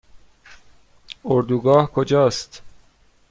اردوگاه کجا است؟